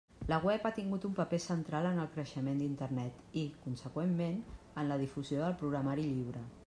La web ha tingut un paper central en el creixement d'Internet i, conseqüentment, en la difusió del programari lliure.